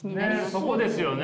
そこですよね。